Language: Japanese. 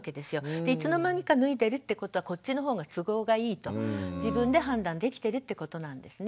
いつの間にか脱いでるってことはこっちの方が都合がいいと自分で判断できてるってことなんですね。